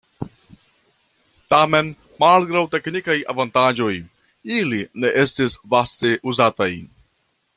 Tamen malgraŭ teknikaj avantaĝoj ili ne estis vaste uzataj.